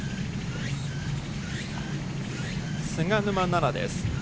菅沼菜々です。